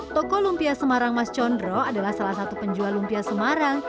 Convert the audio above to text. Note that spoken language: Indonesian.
toko lumpia semarang mas chondro adalah salah satu penjual lumpia semarang